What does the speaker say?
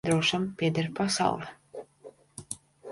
Drošam pieder pasaule.